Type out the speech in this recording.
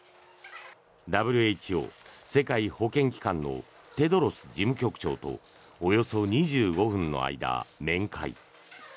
ＷＨＯ・世界保健機関のテドロス事務局長とおよそ２５分の間、面会。